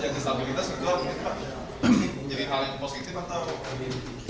jadi stabilitas itu adalah hal positif atau